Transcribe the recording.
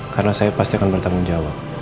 karena saya pasti akan bertanggung jawab